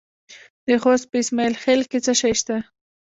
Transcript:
د خوست په اسماعیل خیل کې څه شی شته؟